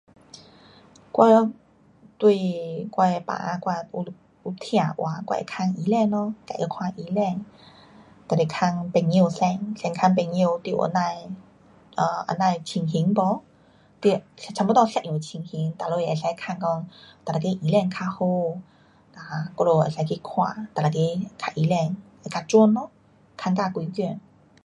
我对我的病，我有痛的话，我会问医生咯。哒得看医生。就是问朋友先，先问朋友你有这样的 um 这样的情形没？你，差不多一样情形，咱们可以问讲哪一个医生较好。um 我们能够去看哪一个较医生会较准咯。问多几间。